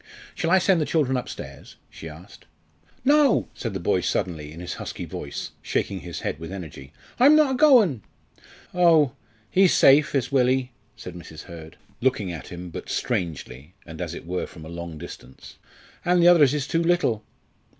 "Shall I send the children upstairs?" she asked. "No!" said the boy, suddenly, in his husky voice, shaking his head with energy, "I'm not a going." "Oh! he's safe is Willie," said Mrs. Hurd, looking at him, but strangely, and as it were from a long distance, "and the others is too little."